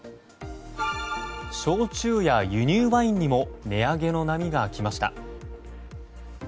焼酎や輸入ワインにも値上げの波が来ました。